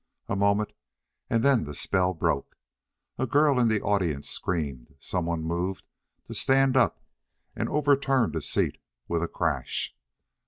A moment, and then the spell broke. A girl in the audience screamed. Some one moved to stand up and overturned a seat with a crash.